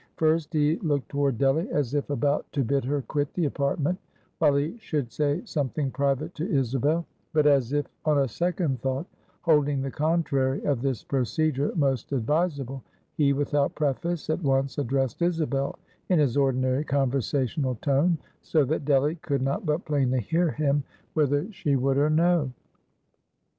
First he looked toward Delly, as if about to bid her quit the apartment, while he should say something private to Isabel; but as if, on a second thought, holding the contrary of this procedure most advisable, he, without preface, at once addressed Isabel, in his ordinary conversational tone, so that Delly could not but plainly hear him, whether she would or no.